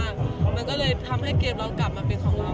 ก็ที่จะมาสงสาร